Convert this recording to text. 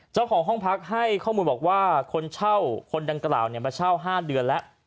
เจ้าของห้องพักให้ข้อมูลบอกว่าคนเช่าคนดังกล่าวมาเช่า๕เดือนแล้ว